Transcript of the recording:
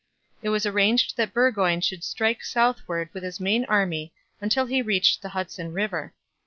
It was arranged that Burgoyne should strike southward with the main army until he reached the Hudson river.